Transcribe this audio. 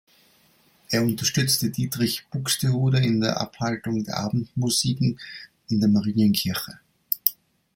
Er unterstützte Dietrich Buxtehude in der Abhaltung der Abendmusiken in der Marienkirche.